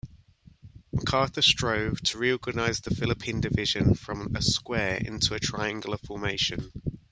MacArthur strove to reorganize the Philippine Division from a square into a triangular formation.